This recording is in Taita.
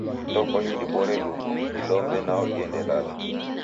Ndokonyi dibore lumbo, dilombe nao diende lala.